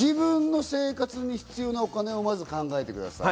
自分の生活に必要なお金をまず考えてください。